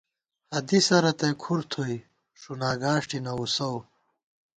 حدیثہ رتئی کُھر تھوئی ݭُنا گاݭٹےنہ وُسَؤ